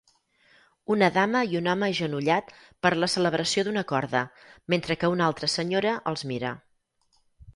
Una dama i un home agenollat per la celebració d'una corda, mentre que una altra senyora els mira